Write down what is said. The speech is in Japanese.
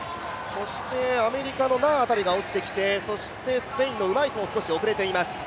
アメリカのナー辺りが落ちてきて、スペインのウマイスも少し遅れています。